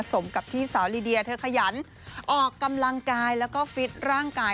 สมกับที่สาวลีเดียเธอขยันออกกำลังกายแล้วก็ฟิตร่างกาย